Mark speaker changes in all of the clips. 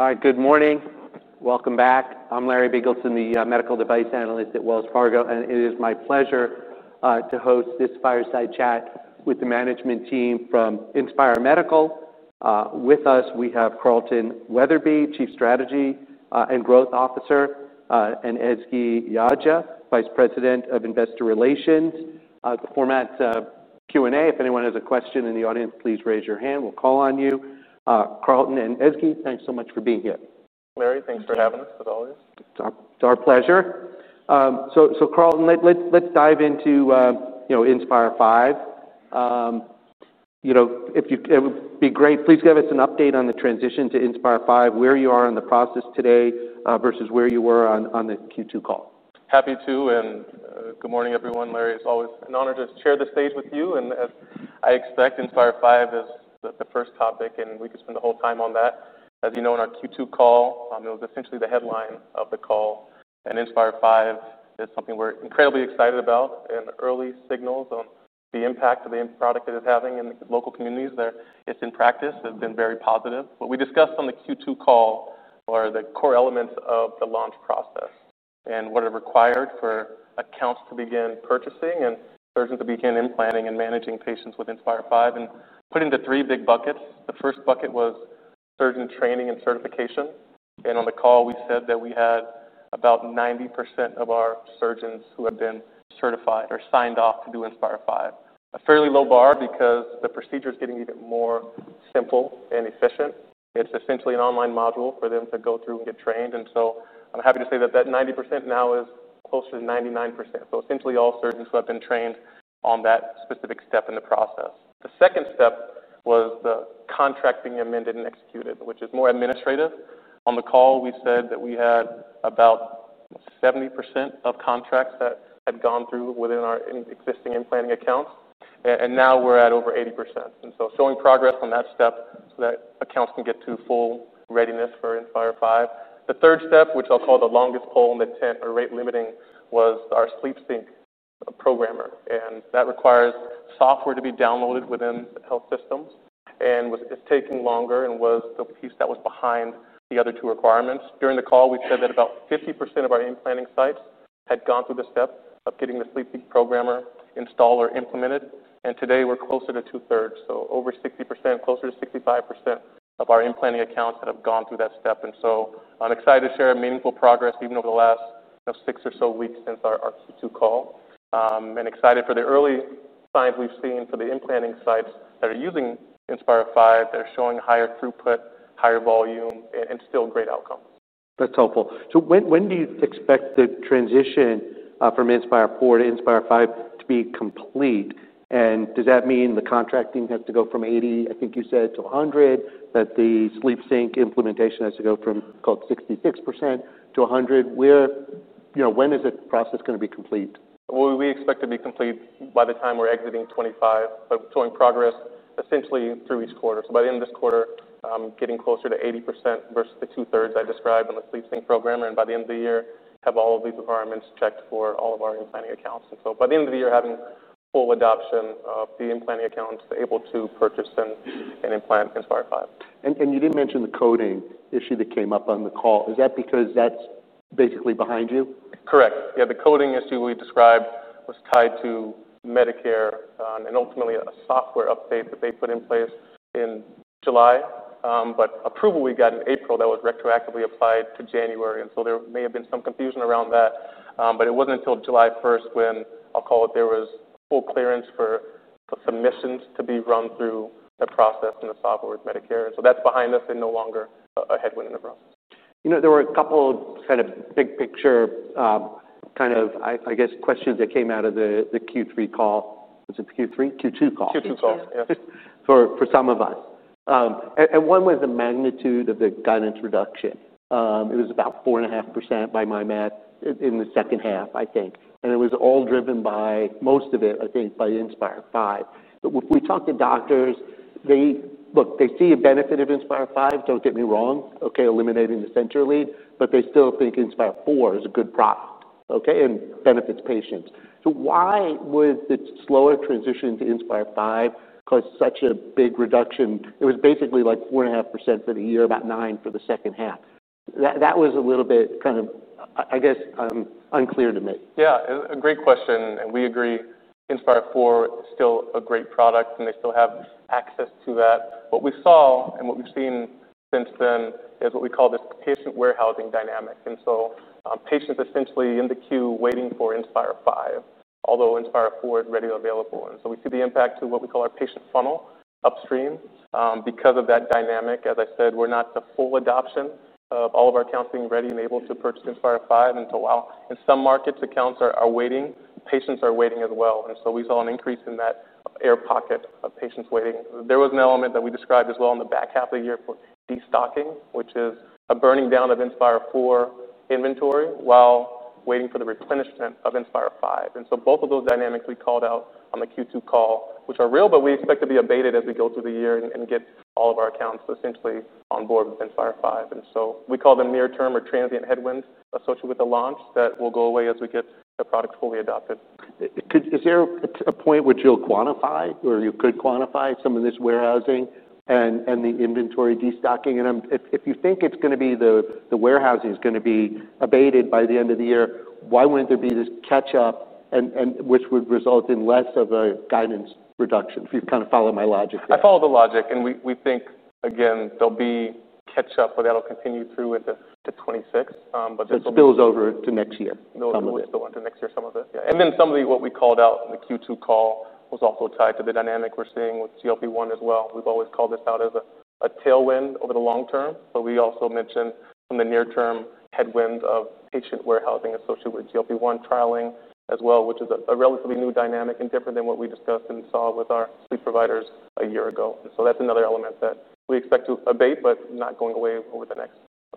Speaker 1: Hi, good morning. Welcome back. I'm Larry Biegelson, the medical device analyst at Wells Fargo, and it is my pleasure to host this fireside chat with the management team from Inspire Medical. With us, we have Carlton Weatherby, Chief Strategy and Growth Officer, and Ezgi Yagci, Vice President of Investor Relations. To format Q&A, if anyone has a question in the audience, please raise your hand. We'll call on you. Carlton and Ezgi, thanks so much for being here.
Speaker 2: Larry, thanks for having us, as always.
Speaker 1: It's our pleasure. So Carlton, let's dive into Inspire V. It would be great, please give us an update on the transition to Inspire V, where you are in the process today versus where you were on the Q2 call.
Speaker 2: Happy to, and good morning, everyone. Larry, it's always an honor to share the stage with you. And as I expect, Inspire V is the first topic, and we could spend the whole time on that. As you know, in our Q2 call, it was essentially the headline of the call. And Inspire V is something we're incredibly excited about, and early signals on the impact of the product it is having in the local communities. It's in practice, it's been very positive. What we discussed on the Q2 call are the core elements of the launch process and what are required for accounts to begin purchasing and surgeons to begin implanting and managing patients with Inspire V, and put into three big buckets. The first bucket was surgeon training and certification. And on the call, we said that we had about 90% of our surgeons who have been certified or signed off to do Inspire V. A fairly low bar because the procedure is getting even more simple and efficient. It's essentially an online module for them to go through and get trained. And so I'm happy to say that that 90% now is closer to 99%. So essentially, all surgeons who have been trained on that specific step in the process. The second step was the contract being amended and executed, which is more administrative. On the call, we said that we had about 70% of contracts that had gone through within our existing implanting accounts. And now we're at over 80%. And so showing progress on that step so that accounts can get to full readiness for Inspire V. The third step, which I'll call the longest pole in the tent or rate limiting, was our SleepSync programmer, and that requires software to be downloaded within health systems, and it's taking longer and was the piece that was behind the other two requirements. During the call, we said that about 50% of our implanting sites had gone through the step of getting the SleepSync programmer installed or implemented, and today, we're closer to two-thirds, so over 60%, closer to 65% of our implanting accounts that have gone through that step, and so I'm excited to share meaningful progress even over the last six or so weeks since our Q2 call, and excited for the early signs we've seen for the implanting sites that are using Inspire V, that are showing higher throughput, higher volume, and still great outcomes.
Speaker 1: That's helpful. So when do you expect the transition from Inspire IV to Inspire V to be complete? And does that mean the contracting has to go from 80, I think you said, to 100? That the SleepSync implementation has to go from called 66% to 100? When is the process going to be complete?
Speaker 2: We expect to be complete by the time we're exiting 2025, but showing progress essentially through each quarter. By the end of this quarter, getting closer to 80% versus the two-thirds I described on the SleepSync programmer. By the end of the year, have all of these requirements checked for all of our implanting accounts. By the end of the year, having full adoption of the implanting accounts able to purchase and implant Inspire V.
Speaker 1: You did mention the coding issue that came up on the call. Is that because that's basically behind you?
Speaker 2: Correct. Yeah, the coding issue we described was tied to Medicare and ultimately a software update that they put in place in July. But the approval we got in April, that was retroactively applied to January. And so there may have been some confusion around that. But it wasn't until July 1st when I'll call it there was full clearance for submissions to be run through the process and the software with Medicare. And so that's behind us and no longer a headwind in the process.
Speaker 1: You know, there were a couple of kind of big picture kind of, I guess, questions that came out of the Q3 call. Was it Q3? Q2 call?
Speaker 2: Q2 call, yes.
Speaker 1: For some of us, and one was the magnitude of the guidance reduction. It was about 4.5% by my math in the second half, I think, and it was all driven by, most of it, I think, by Inspire V, but we talked to doctors. Look, they see a benefit of Inspire V, don't get me wrong, okay, eliminating the sensing lead, but they still think Inspire IV is a good product, okay, and benefits patients, so why would the slower transition to Inspire V cause such a big reduction? It was basically like 4.5% for the year, about 9% for the second half. That was a little bit kind of, I guess, unclear to me.
Speaker 2: Yeah, a great question. And we agree Inspire IV is still a great product and they still have access to that. What we saw and what we've seen since then is what we call this patient warehousing dynamic. And so patients essentially in the queue waiting for Inspire V, although Inspire IV is ready and available. And so we see the impact to what we call our patient funnel upstream. Because of that dynamic, as I said, we're not to full adoption of all of our accounts being ready and able to purchase Inspire V. And so while in some markets, accounts are waiting, patients are waiting as well. And so we saw an increase in that air pocket of patients waiting. There was an element that we described as well in the back half of the year for destocking, which is a burning down of Inspire IV inventory while waiting for the replenishment of Inspire V. And so both of those dynamics we called out on the Q2 call, which are real, but we expect to be abated as we go through the year and get all of our accounts essentially on board with Inspire V. And so we call them near-term or transient headwinds associated with the launch that will go away as we get the product fully adopted.
Speaker 1: Is there a point where you'll quantify or you could quantify some of this warehousing and the inventory destocking? And if you think it's going to be the warehousing is going to be abated by the end of the year, why wouldn't there be this catch-up, which would result in less of a guidance reduction if you kind of follow my logic?
Speaker 2: I follow the logic. And we think, again, there'll be catch-up, but that'll continue through into 2026.
Speaker 1: But still, it's over to next year.
Speaker 2: Some of it is still on to next year, some of it. And then some of the what we called out in the Q2 call was also tied to the dynamic we're seeing with GLP-1 as well. We've always called this out as a tailwind over the long term, but we also mentioned from the near-term headwind of patient warehousing associated with GLP-1 trialing as well, which is a relatively new dynamic and different than what we discussed and saw with our sleep providers a year ago. And so that's another element that we expect to abate, but not going away over the next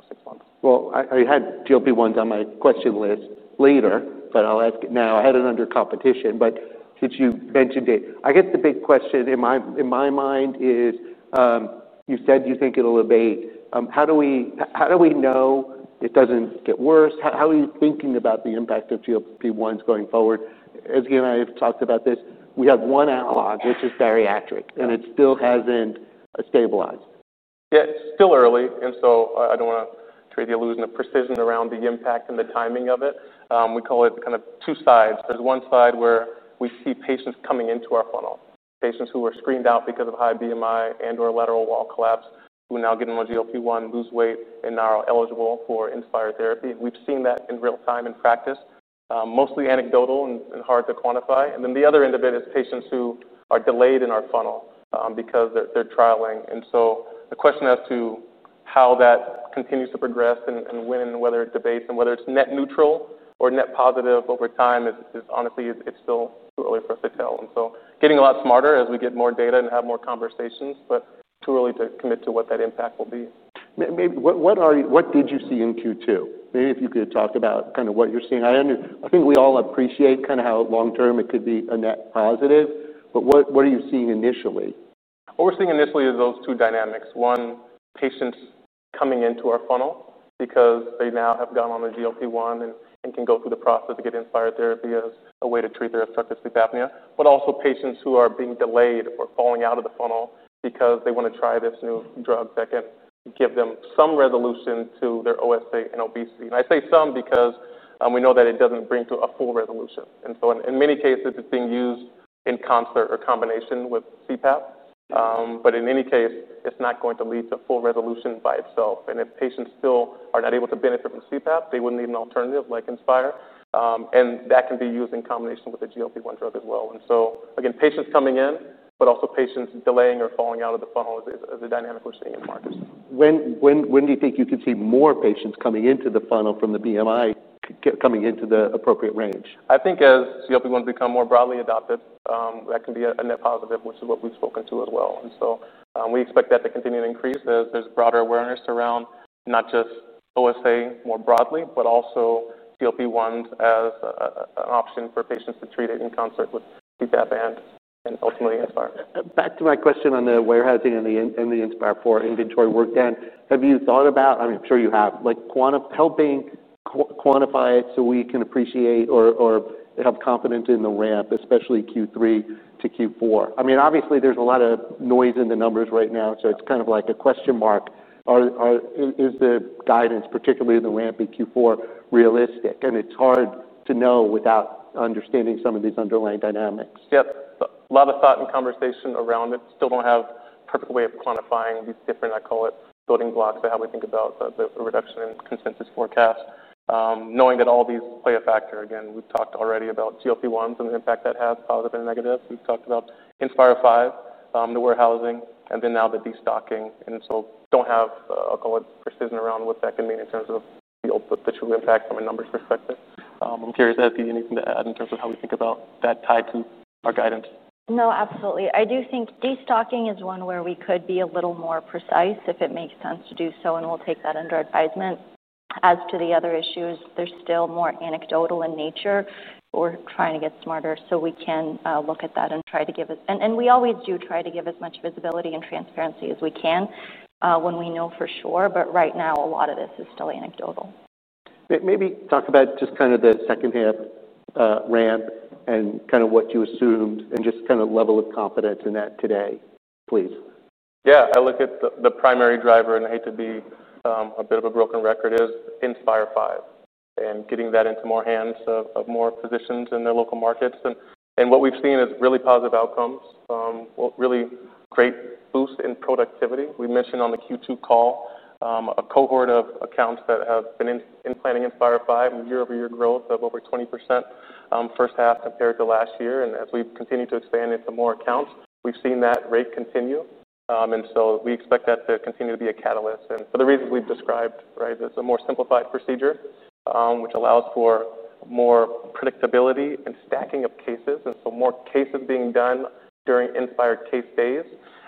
Speaker 2: six months.
Speaker 1: I had GLP-1 on my question list later, but I'll ask it now. I had it under competition, but since you mentioned it, I guess the big question in my mind is you said you think it'll abate. How do we know it doesn't get worse? How are you thinking about the impact of GLP-1 going forward? Ezgi and I have talked about this. We have one outlier, which is bariatric, and it still hasn't stabilized.
Speaker 2: Yeah, it's still early. And so I don't want to trade the illusion of precision around the impact and the timing of it. We call it kind of two sides. There's one side where we see patients coming into our funnel, patients who were screened out because of high BMI and/or lateral wall collapse, who now get on GLP-1, lose weight, and are eligible for Inspire therapy. We've seen that in real time in practice, mostly anecdotal and hard to quantify. And then the other end of it is patients who are delayed in our funnel because they're trialing. And so the question as to how that continues to progress and when, whether it abates, and whether it's net neutral or net positive over time is honestly, it's still too early for us to tell. And so, getting a lot smarter as we get more data and have more conversations, but too early to commit to what that impact will be.
Speaker 1: What did you see in Q2? Maybe if you could talk about kind of what you're seeing. I think we all appreciate kind of how long-term it could be a net positive, but what are you seeing initially?
Speaker 2: What we're seeing initially is those two dynamics. One, patients coming into our funnel because they now have gone on the GLP-1 and can go through the process to get Inspire therapy as a way to treat their obstructive sleep apnea, but also patients who are being delayed or falling out of the funnel because they want to try this new drug that can give them some resolution to their OSA and obesity, and I say some because we know that it doesn't bring to a full resolution, and so in many cases, it's being used in concert or combination with CPAP, but in any case, it's not going to lead to full resolution by itself, and if patients still are not able to benefit from CPAP, they would need an alternative like Inspire, and that can be used in combination with the GLP-1 drug as well. And so again, patients coming in, but also patients delaying or falling out of the funnel is a dynamic we're seeing in the markets.
Speaker 1: When do you think you could see more patients coming into the funnel from the BMI coming into the appropriate range?
Speaker 2: I think as GLP-1 becomes more broadly adopted, that can be a net positive, which is what we've spoken to as well, and so we expect that to continue to increase as there's broader awareness around not just OSA more broadly, but also GLP-1 as an option for patients to treat it in concert with CPAP and ultimately Inspire.
Speaker 1: Back to my question on the warehousing and the Inspire IV inventory work, then, have you thought about, I'm sure you have, helping quantify it so we can appreciate or have confidence in the ramp, especially Q3 to Q4? I mean, obviously, there's a lot of noise in the numbers right now, so it's kind of like a question mark. Is the guidance, particularly in the ramp in Q4, realistic? And it's hard to know without understanding some of these underlying dynamics.
Speaker 2: Yep. A lot of thought and conversation around it. Still don't have a perfect way of quantifying these different, I call it, building blocks of how we think about the reduction in consensus forecast, knowing that all these play a factor. Again, we've talked already about GLP-1 and the impact that has positive and negative. We've talked about Inspire V, the warehousing, and then now the destocking. And so don't have, I'll call it, precision around what that can mean in terms of the output, the true impact from a numbers perspective. I'm curious if that's anything to add in terms of how we think about that tied to our guidance.
Speaker 3: No, absolutely. I do think destocking is one where we could be a little more precise if it makes sense to do so, and we'll take that under advisement. As to the other issues, they're still more anecdotal in nature. We're trying to get smarter so we can look at that and try to give us, and we always do try to give as much visibility and transparency as we can when we know for sure. But right now, a lot of this is still anecdotal.
Speaker 1: Maybe talk about just kind of the second half ramp and kind of what you assumed and just kind of level of confidence in that today, please?
Speaker 2: Yeah, I look at the primary driver, and I hate to be a bit of a broken record, is Inspire V and getting that into more hands of more physicians in their local markets. And what we've seen is really positive outcomes, really great boost in productivity. We mentioned on the Q2 call a cohort of accounts that have been implanting Inspire V and year-over-year growth of over 20% first half compared to last year. And as we continue to expand into more accounts, we've seen that rate continue. And so we expect that to continue to be a catalyst. And for the reasons we've described, right, there's a more simplified procedure, which allows for more predictability and stacking of cases. And so more cases being done during Inspire case days,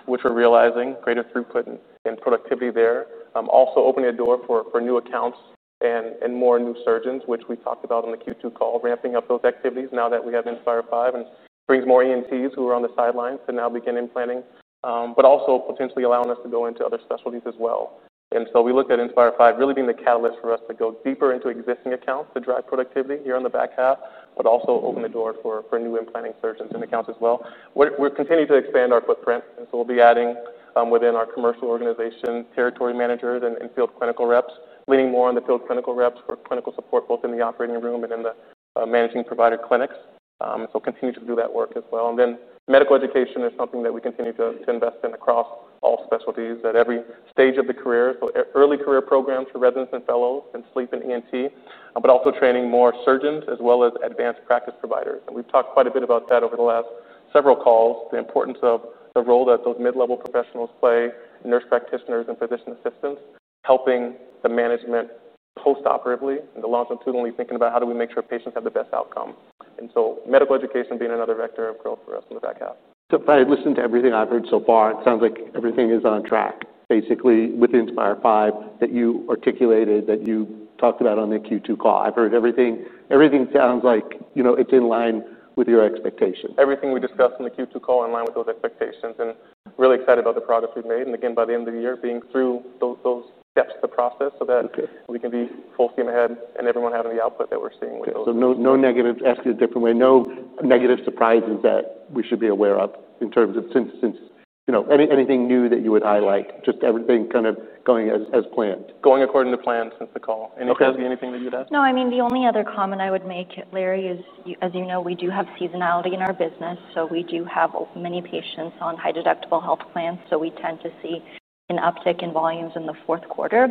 Speaker 2: which we're realizing greater throughput and productivity there. Also opening a door for new accounts and more new surgeons, which we talked about on the Q2 call, ramping up those activities now that we have Inspire V and brings more ENTs who are on the sidelines to now begin implanting, but also potentially allowing us to go into other specialties as well, and so we looked at Inspire V really being the catalyst for us to go deeper into existing accounts to drive productivity here on the back half, but also open the door for new implanting surgeons and accounts as well. We're continuing to expand our footprint, and so we'll be adding within our commercial organization territory managers and field clinical reps, leaning more on the field clinical reps for clinical support both in the operating room and in the managing provider clinics, so continue to do that work as well. And then medical education is something that we continue to invest in across all specialties at every stage of the career. So early career programs for residents and fellows in sleep and ENT, but also training more surgeons as well as advanced practice providers. And we've talked quite a bit about that over the last several calls, the importance of the role that those mid-level professionals play, nurse practitioners and physician assistants, helping the management postoperatively and the longitudinally thinking about how do we make sure patients have the best outcome. And so medical education being another vector of growth for us in the back half.
Speaker 1: If I listen to everything I've heard so far, it sounds like everything is on track, basically with Inspire V that you articulated, that you talked about on the Q2 call. I've heard everything. Everything sounds like it's in line with your expectations.
Speaker 2: Everything we discussed in the Q2 call in line with those expectations and really excited about the progress we've made. And again, by the end of the year, being through those steps of the process so that we can be full steam ahead and everyone having the output that we're seeing with those.
Speaker 1: So, no negative. Ask it a different way: no negative surprises that we should be aware of in terms of anything new that you would highlight, just everything kind of going as planned.
Speaker 2: Going according to plan since the call. Anything else?
Speaker 3: No, I mean, the only other comment I would make, Larry, is, as you know, we do have seasonality in our business. So we do have many patients on high-deductible health plans. So we tend to see an uptick in volumes in the fourth quarter,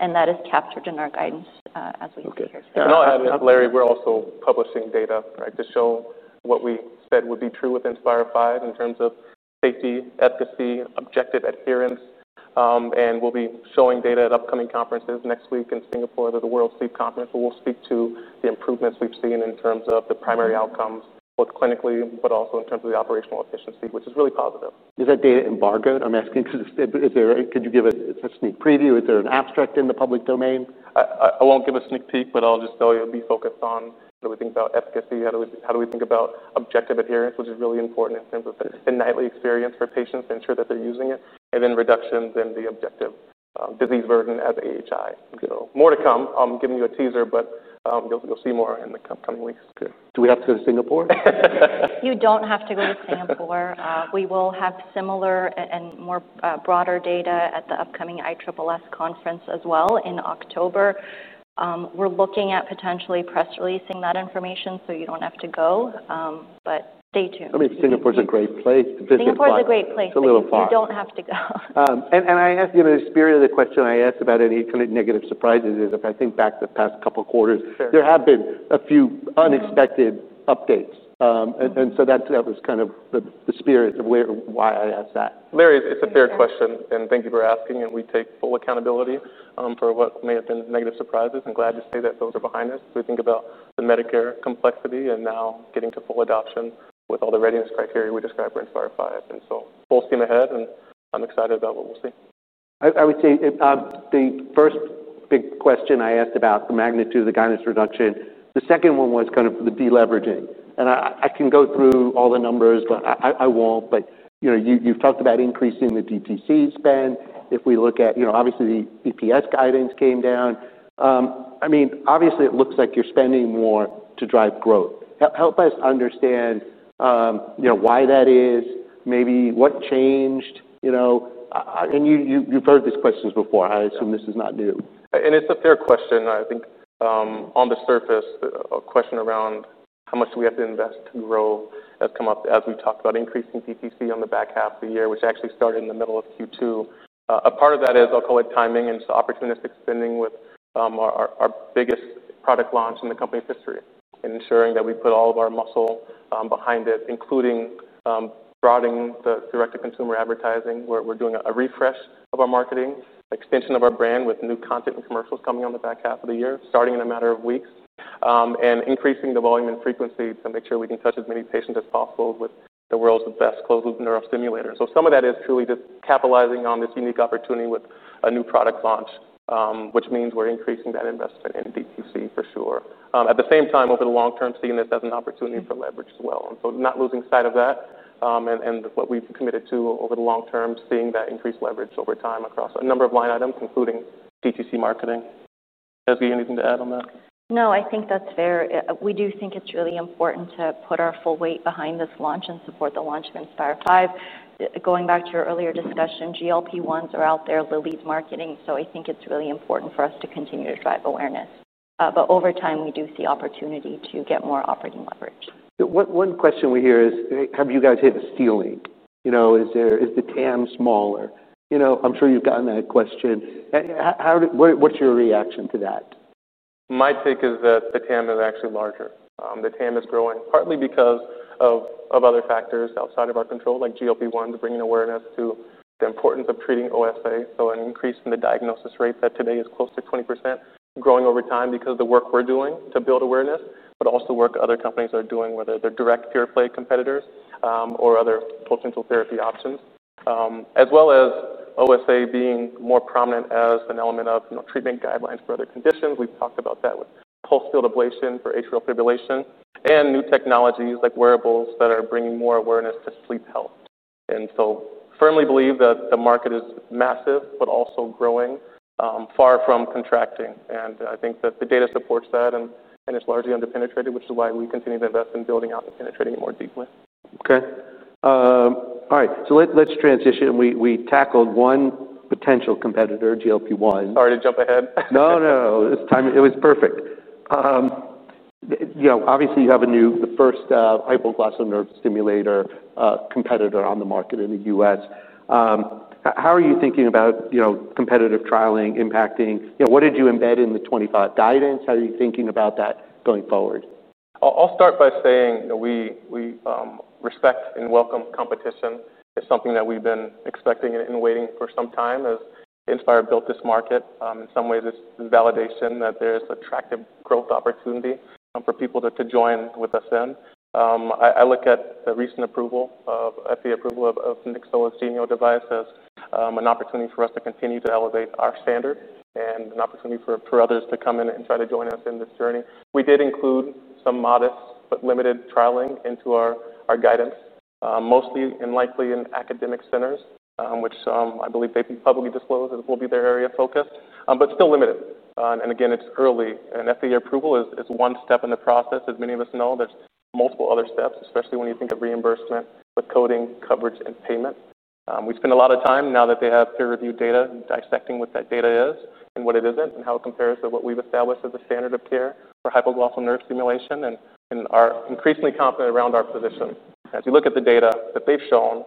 Speaker 3: and that is captured in our guidance as we go here.
Speaker 2: And I'll add, Larry, we're also publishing data to show what we said would be true with Inspire V in terms of safety, efficacy, objective adherence. And we'll be showing data at upcoming conferences next week in Singapore at the World Sleep Conference, where we'll speak to the improvements we've seen in terms of the primary outcomes, both clinically, but also in terms of the operational efficiency, which is really positive.
Speaker 1: Is that data embargoed? I'm asking because could you give a sneak preview? Is there an abstract in the public domain?
Speaker 2: I won't give a sneak peek, but I'll just tell you we focus on how do we think about efficacy, how do we think about objective adherence, which is really important in terms of the nightly experience for patients to ensure that they're using it, and then reductions in the objective disease burden as AHI. So more to come. I'm giving you a teaser, but you'll see more in the coming weeks.
Speaker 1: Do we have to go to Singapore?
Speaker 3: You don't have to go to Singapore. We will have similar and more broader data at the upcoming ISSS conference as well in October. We're looking at potentially press releasing that information so you don't have to go, but stay tuned.
Speaker 1: I mean, Singapore's a great place.
Speaker 3: Singapore's a great place.
Speaker 1: It's a little far.
Speaker 3: You don't have to go.
Speaker 1: I asked you in the spirit of the question I asked about any kind of negative surprises, is if I think back the past couple of quarters, there have been a few unexpected updates. So that was kind of the spirit of why I asked that.
Speaker 2: Larry, it's a fair question. And thank you for asking. And we take full accountability for what may have been negative surprises. I'm glad to say that those are behind us. We think about the Medicare complexity and now getting to full adoption with all the readiness criteria we described for Inspire V. And so full steam ahead. And I'm excited about what we'll see.
Speaker 1: I would say the first big question I asked about the magnitude of the guidance reduction, the second one was kind of the deleveraging. And I can go through all the numbers, but I won't. But you've talked about increasing the DTC spend. If we look at, obviously, the EPS guidance came down. I mean, obviously, it looks like you're spending more to drive growth. Help us understand why that is, maybe what changed. And you've heard these questions before. I assume this is not new.
Speaker 2: and it's a fair question. I think on the surface, a question around how much do we have to invest to grow has come up as we talked about increasing DTC on the back half of the year, which actually started in the middle of Q2. A part of that is, I'll call it timing and opportunistic spending with our biggest product launch in the company's history and ensuring that we put all of our muscle behind it, including broadening the direct-to-consumer advertising. We're doing a refresh of our marketing, extension of our brand with new content and commercials coming on the back half of the year, starting in a matter of weeks, and increasing the volume and frequency to make sure we can touch as many patients as possible with the world's best closed-loop neurostimulator. So some of that is truly just capitalizing on this unique opportunity with a new product launch, which means we're increasing that investment in DTC for sure. At the same time, over the long term, seeing this as an opportunity for leverage as well, and so not losing sight of that and what we've committed to over the long term, seeing that increased leverage over time across a number of line items, including DTC marketing. Ezgi, anything to add on that?
Speaker 3: No, I think that's fair. We do think it's really important to put our full weight behind this launch and support the launch of Inspire V. Going back to your earlier discussion, GLP-1s are out there, Lilly's marketing. So I think it's really important for us to continue to drive awareness. But over time, we do see opportunity to get more operating leverage.
Speaker 1: One question we hear is, have you guys hit a ceiling? Is the TAM smaller? I'm sure you've gotten that question. What's your reaction to that?
Speaker 2: My take is that the TAM is actually larger. The TAM is growing partly because of other factors outside of our control, like GLP-1s, bringing awareness to the importance of treating OSA. So an increase in the diagnosis rate that today is close to 20%, growing over time because of the work we're doing to build awareness, but also work other companies are doing, whether they're direct pure play competitors or other potential therapy options, as well as OSA being more prominent as an element of treatment guidelines for other conditions. We've talked about that with pulsed field ablation for atrial fibrillation and new technologies like wearables that are bringing more awareness to sleep health. And so firmly believe that the market is massive, but also growing far from contracting. I think that the data supports that and is largely underpenetrated, which is why we continue to invest in building out the penetrating more deeply.
Speaker 1: Okay. All right. So let's transition. We tackled one potential competitor, GLP-1.
Speaker 2: Sorry to jump ahead.
Speaker 1: No, no. It was perfect. Obviously, you have the first hypoglossal nerve stimulator competitor on the market in the U.S. How are you thinking about competitive trialing impacting? What did you embed in the 2025 guidance? How are you thinking about that going forward?
Speaker 2: I'll start by saying we respect and welcome competition. It's something that we've been expecting and waiting for some time as Inspire built this market. In some ways, it's validation that there is attractive growth opportunity for people to join with us in. I look at the recent approval of Nyxoah's Genio device as an opportunity for us to continue to elevate our standard and an opportunity for others to come in and try to join us in this journey. We did include some modest but limited trialing into our guidance, mostly and likely in academic centers, which I believe they've been publicly disclosed will be their area of focus, but still limited. And again, it's early. And FDA approval is one step in the process. As many of us know, there's multiple other steps, especially when you think of reimbursement with coding, coverage, and payment. We spend a lot of time now that they have peer-reviewed data dissecting what that data is and what it isn't and how it compares to what we've established as a standard of care for hypoglossal nerve stimulation and are increasingly confident around our position. As you look at the data that they've shown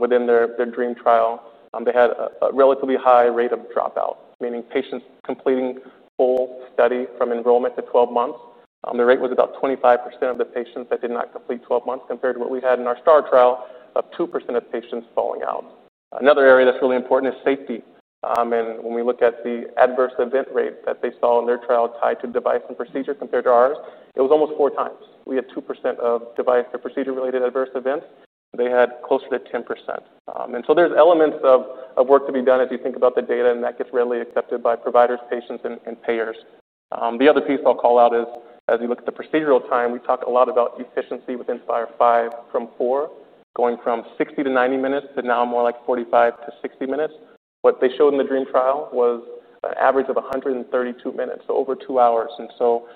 Speaker 2: within their DREAM study, they had a relatively high rate of dropout, meaning patients completing full study from enrollment to 12 months. The rate was about 25% of the patients that did not complete 12 months compared to what we had in our STAR trial of 2% of patients falling out. Another area that's really important is safety, and when we look at the adverse event rate that they saw in their trial tied to device and procedure compared to ours, it was almost four times. We had 2% of device or procedure-related adverse events. They had closer to 10%, and so there's elements of work to be done as you think about the data, and that gets readily accepted by providers, patients, and payers. The other piece I'll call out is, as you look at the procedural time, we talk a lot about efficiency with Inspire V from IV, going from 60-90 minutes to now more like 45-60 minutes. What they showed in the DREAM trial was an average of 132 minutes, so over two hours, and so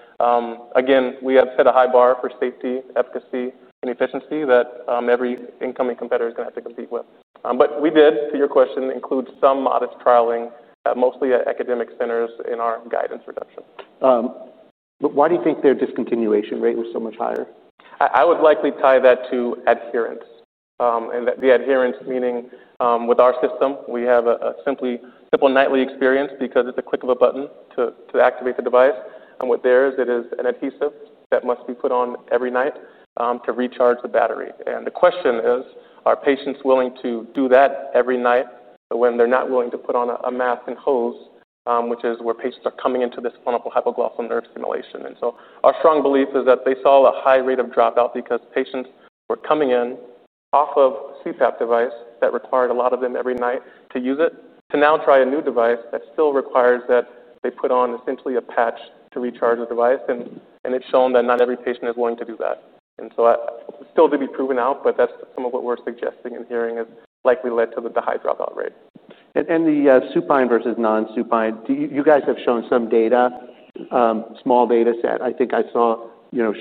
Speaker 2: again, we have set a high bar for safety, efficacy, and efficiency that every incoming competitor is going to have to compete with, but we did, to your question, include some modest trialing, mostly at academic centers in our guidance reduction.
Speaker 1: But why do you think their discontinuation rate was so much higher?
Speaker 2: I would likely tie that to adherence, and the adherence, meaning with our system, we have a simple nightly experience because it's a click of a button to activate the device. What there is, it is an adhesive that must be put on every night to recharge the battery. The question is, are patients willing to do that every night when they're not willing to put on a mask and hose, which is where patients are coming into this clinical hypoglossal nerve stimulation, so our strong belief is that they saw a high rate of dropout because patients were coming in off of a CPAP device that required a lot of them every night to use it to now try a new device that still requires that they put on essentially a patch to recharge the device. And it's shown that not every patient is willing to do that. And so still to be proven out, but that's some of what we're suggesting and hearing has likely led to the high dropout rate.
Speaker 1: The supine versus non-supine, you guys have shown some data, small data set. I think I saw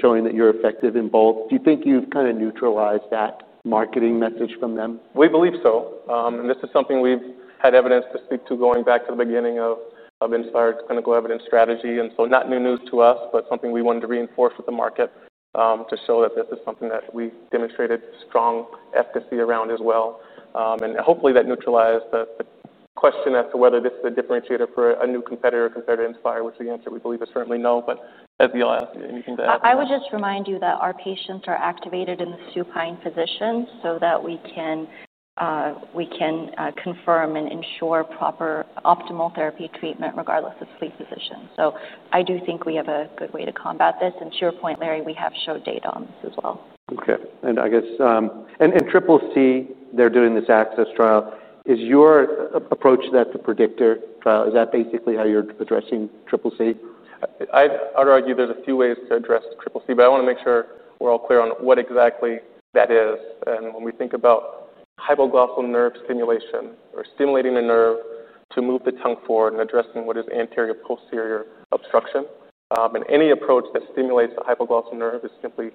Speaker 1: showing that you're effective in both. Do you think you've kind of neutralized that marketing message from them?
Speaker 2: We believe so. And this is something we've had evidence to speak to going back to the beginning of Inspire's clinical evidence strategy. And so not new news to us, but something we wanted to reinforce with the market to show that this is something that we demonstrated strong efficacy around as well. And hopefully, that neutralized the question as to whether this is a differentiator for a new competitor compared to Inspire, which the answer we believe is certainly no. But Ezgi Is there anything to add?
Speaker 3: I would just remind you that our patients are activated in the supine position so that we can confirm and ensure proper optimal therapy treatment regardless of sleep position, so I do think we have a good way to combat this and to your point, Larry, we have showed data on this as well.
Speaker 1: Okay. And I guess, CCC, they're doing this ACCCESS trial. Is your approach that the PREDICTOR trial? Is that basically how you're addressing CCC?
Speaker 2: I'd argue there's a few ways to address CCC, but I want to make sure we're all clear on what exactly that is. And when we think about hypoglossal nerve stimulation or stimulating a nerve to move the tongue forward and addressing what is anterior-posterior obstruction, and any approach that stimulates the hypoglossal nerve is simply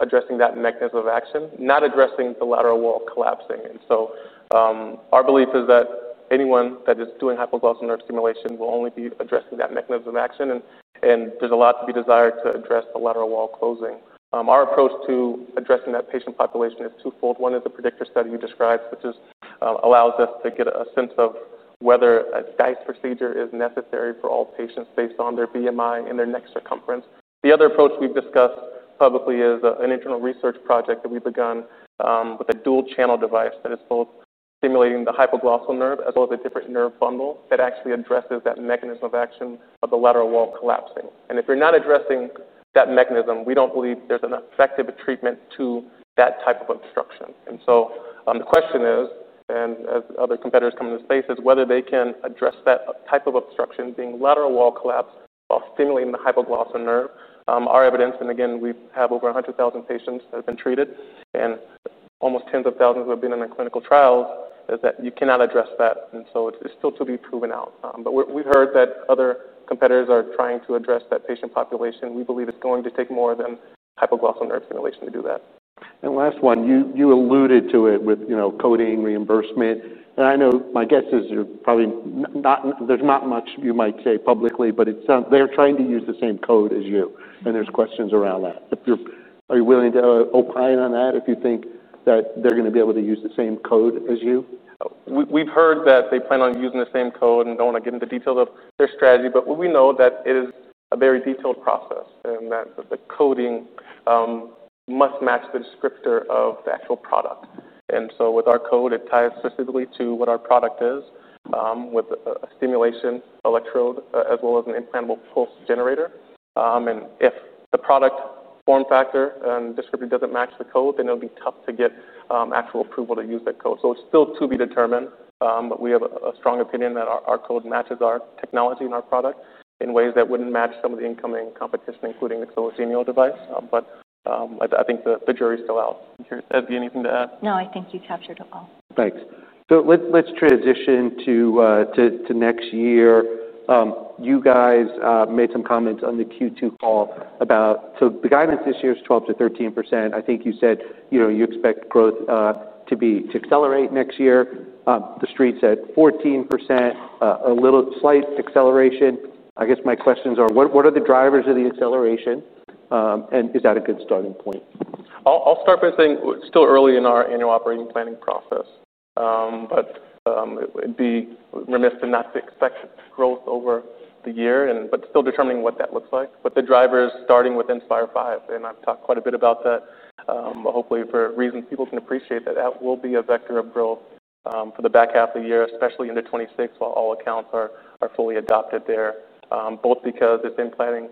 Speaker 2: addressing that mechanism of action, not addressing the lateral wall collapsing. And so our belief is that anyone that is doing hypoglossal nerve stimulation will only be addressing that mechanism of action. And there's a lot to be desired to address the lateral wall closing. Our approach to addressing that patient population is twofold. One is a PREDICTOR study you described, which allows us to get a sense of whether a DISE procedure is necessary for all patients based on their BMI and their neck circumference. The other approach we've discussed publicly is an internal research project that we've begun with a dual-channel device that is both stimulating the hypoglossal nerve as well as a different nerve bundle that actually addresses that mechanism of action of the lateral wall collapsing, and if you're not addressing that mechanism, we don't believe there's an effective treatment to that type of obstruction, and so the question is, and as other competitors come into the space, is whether they can address that type of obstruction being lateral wall collapse while stimulating the hypoglossal nerve. Our evidence, and again, we have over 100,000 patients that have been treated and almost tens of thousands have been in the clinical trials, is that you cannot address that, and so it's still to be proven out, but we've heard that other competitors are trying to address that patient population. We believe it's going to take more than hypoglossal nerve stimulation to do that.
Speaker 1: And last one, you alluded to it with coding, reimbursement. And I know my guess is there's not much you might say publicly, but they're trying to use the same code as you. And there's questions around that. Are you willing to opine on that if you think that they're going to be able to use the same code as you?
Speaker 2: We've heard that they plan on using the same code and don't want to get into details of their strategy. But we know that it is a very detailed process and that the coding must match the descriptor of the actual product. And so with our code, it ties specifically to what our product is with a stimulation electrode as well as an implantable pulse generator. And if the product form factor and descriptor doesn't match the code, then it'll be tough to get actual approval to use that code. So it's still to be determined. But we have a strong opinion that our code matches our technology and our product in ways that wouldn't match some of the incoming competition, including the Nyxoah Genio device. But I think the jury's still out.
Speaker 1: Okay.
Speaker 2: Ezgi, anything to add?
Speaker 3: No, I think you captured it well.
Speaker 1: Thanks. So let's transition to next year. You guys made some comments on the Q2 call about so the guidance this year is 12%-13%. I think you said you expect growth to accelerate next year. The street said 14%, a little slight acceleration. I guess my questions are, what are the drivers of the acceleration? And is that a good starting point?
Speaker 2: I'll start by saying we're still early in our annual operating planning process, but it'd be remiss to not expect growth over the year, but still determining what that looks like, but the driver is starting with Inspire V. And I've talked quite a bit about that. Hopefully, for reasons people can appreciate, that that will be a vector of growth for the back half of the year, especially into 2026 while all accounts are fully adopted there, both because it's implanting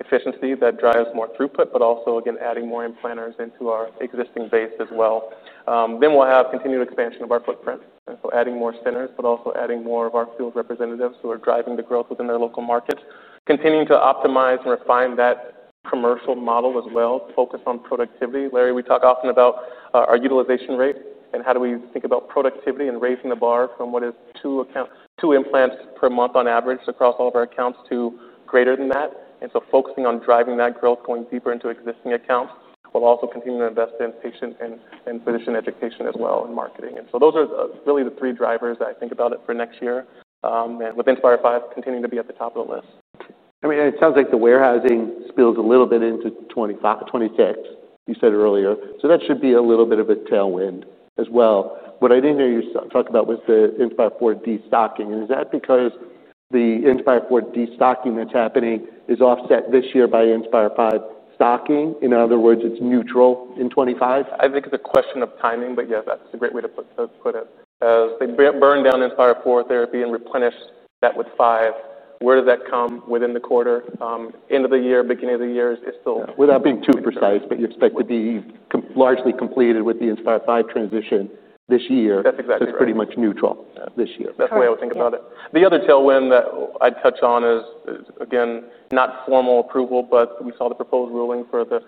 Speaker 2: efficiency that drives more throughput, but also, again, adding more implanters into our existing base as well. Then we'll have continued expansion of our footprint, so adding more centers, but also adding more of our field representatives who are driving the growth within their local markets, continuing to optimize and refine that commercial model as well, focus on productivity. Larry, we talk often about our utilization rate and how we think about productivity and raising the bar from what is two implants per month on average across all of our accounts to greater than that, and so focusing on driving that growth going deeper into existing accounts while also continuing to invest in patient and physician education as well and marketing, and so those are really the three drivers that I think about for next year, and with Inspire V continuing to be at the top of the list.
Speaker 1: I mean, it sounds like the warehousing spills a little bit into 2026, you said earlier. So that should be a little bit of a tailwind as well. What I didn't hear you talk about was the Inspire IV destocking, and is that because the Inspire IV destocking that's happening is offset this year by Inspire V stocking? In other words, it's neutral in 2025?
Speaker 2: I think it's a question of timing, but yes, that's a great way to put it. As they burn down Inspire IV therapy and replenish that with 5, where does that come within the quarter? End of the year, beginning of the year is still.
Speaker 1: Without being too precise, but you expect to be largely completed with the Inspire V transition this year.
Speaker 2: That's exactly right.
Speaker 1: It's pretty much neutral this year.
Speaker 2: That's the way I would think about it. The other tailwind that I'd touch on is, again, not formal approval, but we saw the proposed ruling for the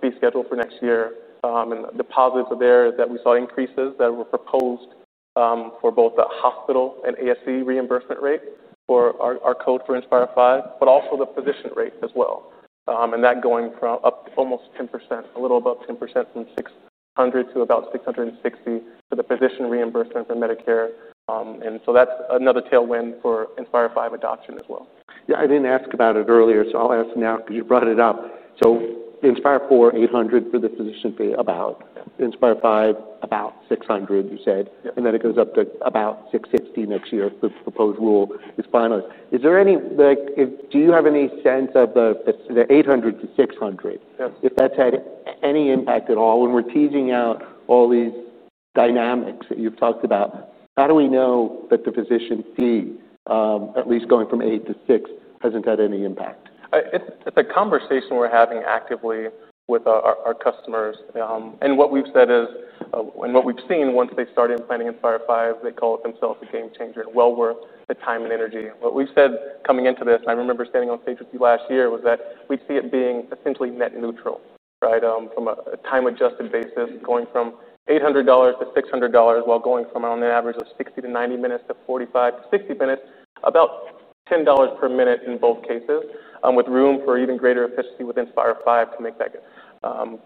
Speaker 2: fee schedule for next year. And the positives are there is that we saw increases that were proposed for both the hospital and ASC reimbursement rate for our code for Inspire V, but also the physician rate as well. And that going up almost 10%, a little above 10% from $600 to about $660 for the physician reimbursement for Medicare. And so that's another tailwind for Inspire V adoption as well.
Speaker 1: Yeah. I didn't ask about it earlier, so I'll ask now because you brought it up. So Inspire IV, $800 for the physician fee, about. Inspire V, about $600, you said. And then it goes up to about $660 next year for the proposed rule is finally. Do you have any sense of the $800 to $600? If that's had any impact at all, when we're teasing out all these dynamics that you've talked about, how do we know that the physician fee, at least going from 8 to 6, hasn't had any impact?
Speaker 2: It's a conversation we're having actively with our customers. And what we've said is, and what we've seen once they started planning Inspire V, they call it themselves a game changer. And well worth the time and energy. What we've said coming into this, and I remember standing on stage with you last year, was that we see it being essentially net neutral, right, from a time-adjusted basis, going from $800 to $600 while going from, on average, 60 to 90 minutes to 45 to 60 minutes, about $10 per minute in both cases, with room for even greater efficiency with Inspire V to make that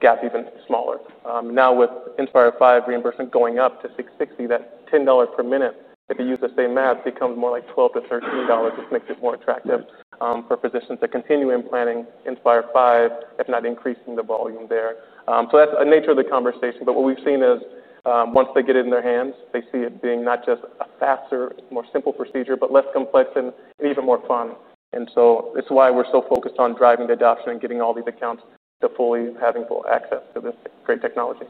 Speaker 2: gap even smaller. Now, with Inspire V reimbursement going up to $660, that $10 per minute, if you use the same math, becomes more like $12-$13, which makes it more attractive for physicians to continue in planning Inspire V, if not increasing the volume there, so that's the nature of the conversation, but what we've seen is, once they get it in their hands, they see it being not just a faster, more simple procedure, but less complex and even more fun, and so it's why we're so focused on driving the adoption and getting all these accounts to fully having full access to this great technology.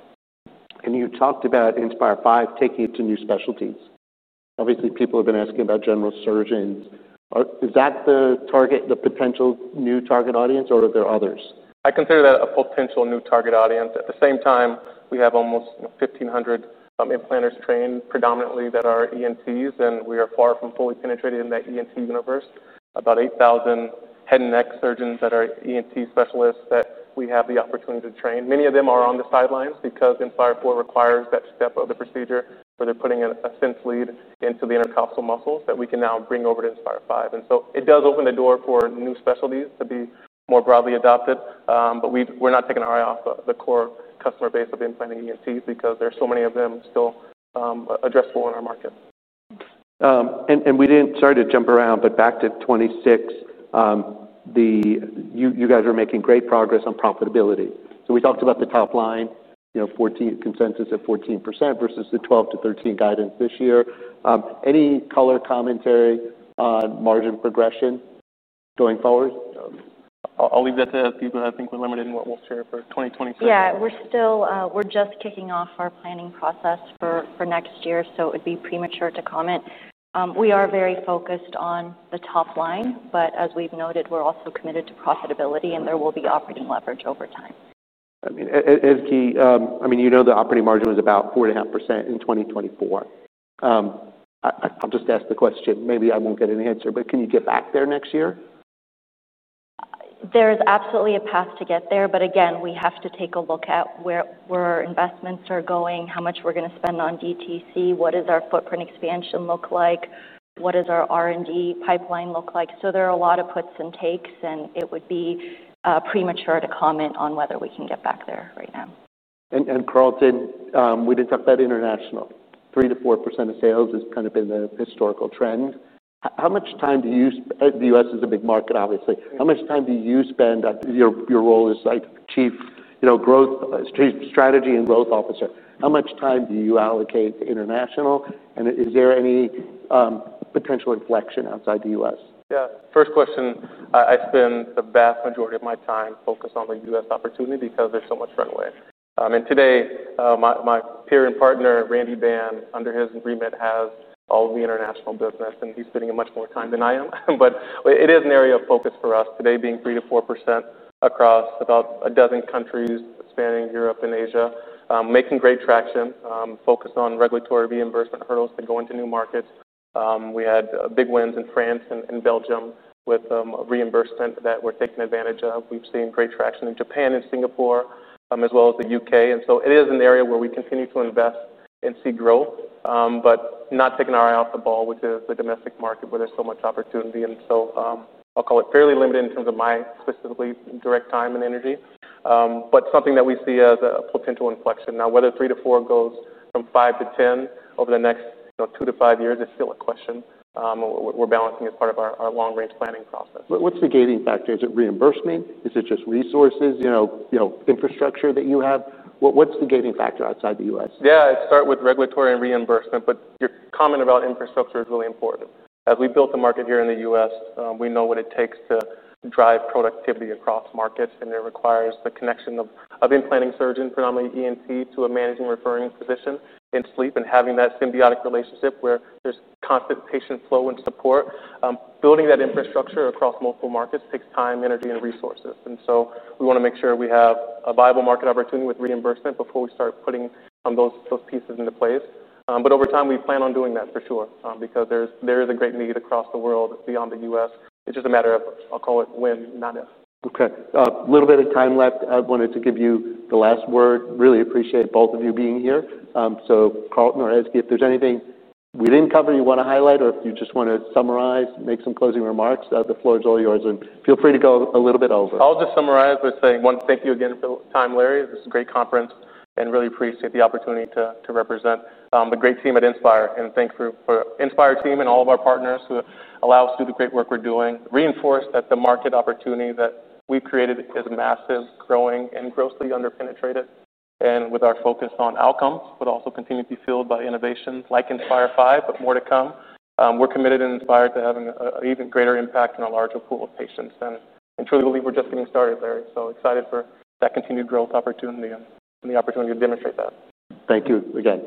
Speaker 1: You talked about Inspire V taking it to new specialties. Obviously, people have been asking about general surgeons. Is that the target, the potential new target audience, or are there others?
Speaker 2: I consider that a potential new target audience. At the same time, we have almost 1,500 implanters trained predominantly that are ENTs, and we are far from fully penetrated in that ENT universe. About 8,000 head and neck surgeons that are ENT specialists that we have the opportunity to train. Many of them are on the sidelines because Inspire IV requires that step of the procedure where they're putting a sensing lead into the intercostal muscles that we can now bring over to Inspire V. And so it does open the door for new specialties to be more broadly adopted. But we're not taking our eye off the core customer base of implanting ENTs because there are so many of them still addressable in our market.
Speaker 1: We didn't start to jump around, but back to 2026, you guys are making great progress on profitability. We talked about the top line, consensus at 14% versus the 12%-13% guidance this year. Any color commentary on margin progression going forward?
Speaker 2: I'll leave that to people. I think we're limited in what we'll share for 2027.
Speaker 3: Yeah. We're just kicking off our planning process for next year, so it would be premature to comment. We are very focused on the top line, but as we've noted, we're also committed to profitability, and there will be operating leverage over time.
Speaker 1: I mean, Ezgi, I mean, you know the operating margin was about 4.5% in 2024. I'll just ask the question. Maybe I won't get an answer, but can you get back there next year?
Speaker 3: There is absolutely a path to get there. But again, we have to take a look at where our investments are going, how much we're going to spend on DTC, what does our footprint expansion look like, what does our R&D pipeline look like. So there are a lot of puts and takes, and it would be premature to comment on whether we can get back there right now.
Speaker 1: Carlton, we didn't talk about international. 3%-4% of sales has kind of been the historical trend. How much time do you spend? The U.S. is a big market, obviously. How much time do you spend? Your role is Chief Strategy and Growth Officer. How much time do you allocate to international? Is there any potential inflection outside the U.S.?
Speaker 2: Yeah. First question, I spend the vast majority of my time focused on the U.S. opportunity because there's so much runway. And today, my peer and partner, Randy Ban, under his agreement, has all of the international business, and he's spending much more time than I am. But it is an area of focus for us today, being 3%-4% across about a dozen countries spanning Europe and Asia, making great traction, focused on regulatory reimbursement hurdles to go into new markets. We had big wins in France and Belgium with reimbursement that we're taking advantage of. We've seen great traction in Japan and Singapore, as well as the U.K. And so it is an area where we continue to invest and see growth, but not taking our eye off the ball, which is the domestic market where there's so much opportunity. I'll call it fairly limited in terms of my specifically direct time and energy, but something that we see as a potential inflection. Now, whether three to four goes from five to 10 over the next two to five years is still a question. We're balancing as part of our long-range planning process.
Speaker 1: What's the gating factor? Is it reimbursement? Is it just resources, infrastructure that you have? What's the gating factor outside the U.S.?
Speaker 2: Yeah. I'd start with regulatory and reimbursement, but your comment about infrastructure is really important. As we built the market here in the U.S., we know what it takes to drive productivity across markets, and it requires the connection of implanting surgeon, predominantly ENT, to a managing referring physician in sleep and having that symbiotic relationship where there's constant patient flow and support. Building that infrastructure across multiple markets takes time, energy, and resources. And so we want to make sure we have a viable market opportunity with reimbursement before we start putting those pieces into place. But over time, we plan on doing that for sure because there is a great need across the world beyond the U.S. It's just a matter of, I'll call it when, not if.
Speaker 1: Okay. A little bit of time left. I wanted to give you the last word. Really appreciate both of you being here. So Carlton or Ezgi, if there's anything we didn't cover you want to highlight or if you just want to summarize, make some closing remarks, the floor is all yours. And feel free to go a little bit over.
Speaker 2: I'll just summarize by saying one, thank you again for the time, Larry. This is a great conference, and I really appreciate the opportunity to represent the great team at Inspire. And thank you to the Inspire team and all of our partners who allow us to do the great work we're doing, reinforce that the market opportunity that we've created is massive, growing, and grossly underpenetrated. And with our focus on outcomes, but also continuing to be fueled by innovations like Inspire V, but more to come, we're committed and inspired to have an even greater impact on a larger pool of patients. And I truly believe we're just getting started, Larry. So excited for that continued growth opportunity and the opportunity to demonstrate that.
Speaker 1: Thank you again.